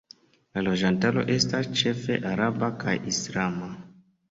La loĝantaro estas ĉefe araba kaj islama.